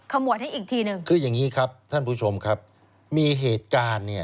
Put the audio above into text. หวดให้อีกทีหนึ่งคืออย่างงี้ครับท่านผู้ชมครับมีเหตุการณ์เนี่ย